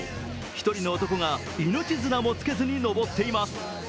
一人の男が命綱もつけずに登っています。